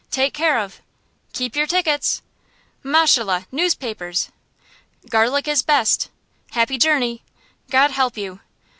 "Take care of " "Keep your tickets " "Möshele newspapers!" "Garlick is best!" "Happy journey!" "God help you!"